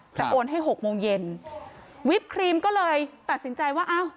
แต่โอนให้หกโมงเย็นวิปครีมก็เลยตัดสินใจว่าอ้าว